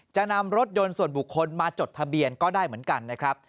จะนำรถยนต์ส่วนบุคคลมาจดทะเบียนก็ได้เหมือนกันนะครับ